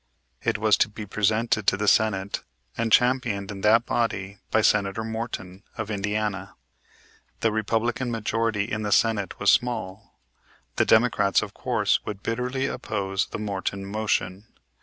It was to be presented to the Senate and championed in that body by Senator Morton, of Indiana. The Republican majority in the Senate was small. The Democrats, of course, would bitterly oppose the Morton motion.